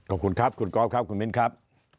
ขอบคุณครับคุณกอล์ฟครับคุณมิ้นครับ